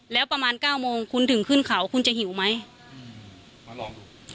แล้วประมาณเก้าโมงคุณถึงขึ้นเขาคุณจะหิวไหมมาลองดู